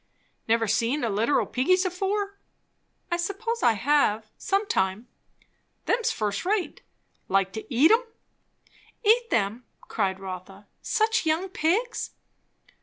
"Never see a litter o' piggies afore?" "I suppose I have, sometime." "Them's first rate. Like to eat 'em?" "Eat them!" cried Rotha. "Such young pigs?"